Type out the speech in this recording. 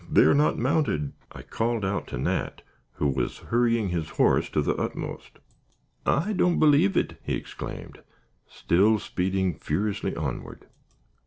They are not mounted," I called out to Nat, who has hurrying his horse to the utmost. "I don't believe it," he exclaimed, still speeding furiously onward.